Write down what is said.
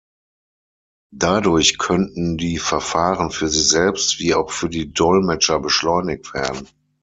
Dadurch könnten die Verfahren für Sie selbst wie auch für die Dolmetscher beschleunigt werden.